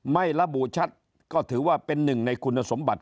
ไม่ระบุชัดก็ถือว่าเป็นหนึ่งในคุณสมบัติ